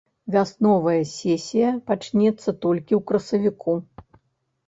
Вясновая сесія пачнецца толькі ў красавіку.